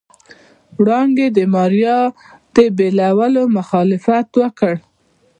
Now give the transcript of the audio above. وړانګې د ماريا د بيولو مخالفت وکړ.